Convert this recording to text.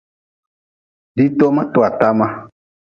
Ditoma toa tama.